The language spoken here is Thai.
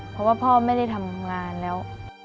เพราะว่าพ่อไม่ได้ทำงานแล้ว